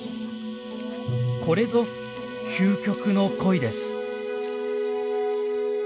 これぞ究極の恋です。